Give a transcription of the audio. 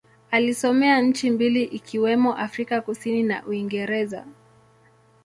Alisomea nchi mbili ikiwemo Afrika Kusini na Uingereza.